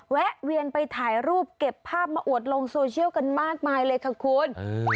แวะเวียนไปถ่ายรูปเก็บภาพมาอวดลงโซเชียลกันมากมายเลยค่ะคุณ